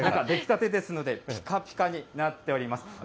出来たてですので、ぴかぴかになっております。